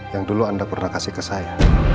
yang dulu anda pernah kasih ke saya